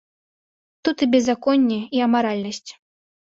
Тут і беззаконне, і амаральнасць.